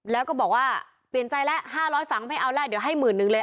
แล้วก็บอกว่าเปลี่ยนใจแล้ว๕๐๐ฝังไม่เอาแล้วเดี๋ยวให้หมื่นหนึ่งเลย